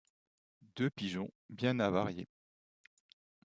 Deux pigeons bien avariés.